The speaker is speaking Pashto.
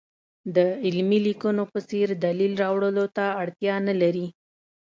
د علمي لیکنو په څېر دلیل راوړلو ته اړتیا نه لري.